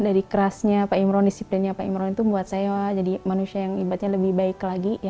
dari kerasnya pak imron disiplinnya pak imron itu buat saya jadi manusia yang ibaratnya lebih baik lagi